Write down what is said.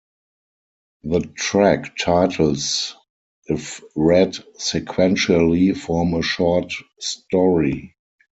The track titles, if read sequentially, form a short story.